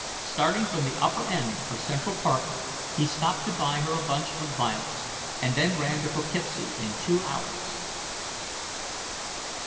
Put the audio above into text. Starting from the upper end of Central Park, he stopped to buy her a bunch of violets, and then ran to Poughkeepsie in two hours.